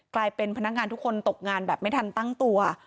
กลายเป็นพนักงานทุกคนตกงานแบบไม่ทันตั้งตัว